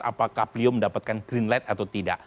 apakah beliau mendapatkan green light atau tidak